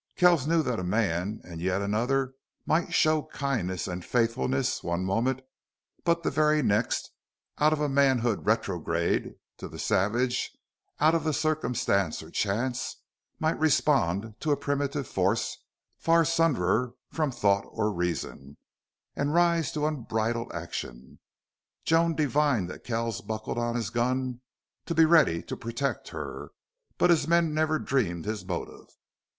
Kells knew that a man and yet another might show kindness and faithfulness one moment, but the very next, out of a manhood retrograded to the savage, out of the circumstance or chance, might respond to a primitive force far sundered from thought or reason, and rise to unbridled action. Joan divined that Kells buckled on his gun to be ready to protect her. But his men never dreamed his motive.